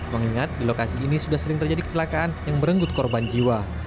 mengingat di lokasi ini sudah sering terjadi kecelakaan yang merenggut korban jiwa